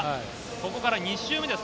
ここから２周目です。